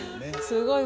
すごい。